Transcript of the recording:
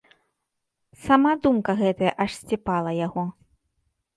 Сама думка гэтая аж сцепала яго.